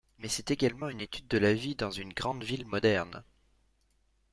Mais c’est également une étude de la vie dans une grande ville moderne.